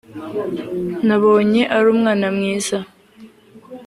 nabonye ari umwana mwiza